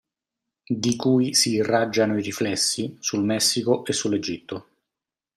Di cui si irraggiano i riflessi sul Messico e su l'Egitto.